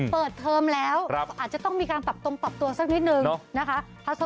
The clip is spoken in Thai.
เปิดเทอมแล้วอาจจะต้องมีการปรับตรงปรับตัวสักนิดนึงนะคะ